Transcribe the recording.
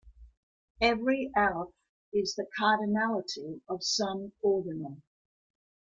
Every aleph is the cardinality of some ordinal.